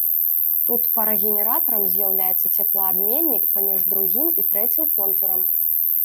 Тут парагенератарам з'яўляецца цеплаабменнік паміж другім і трэцім контурам.